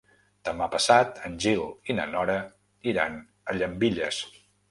Demà passat en Gil i na Nora iran a Llambilles.